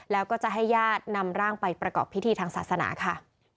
แล้วก็จะให้ญาตินำร่างไปประกอบพิธีทางศาสนาค่ะ